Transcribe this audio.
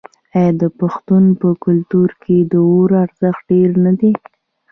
آیا د پښتنو په کلتور کې د اور ارزښت ډیر نه دی؟